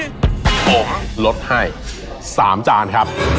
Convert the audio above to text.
ผมลดให้๓จานครับ